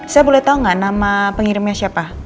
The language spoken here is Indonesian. saya boleh tahu nggak nama pengirimnya siapa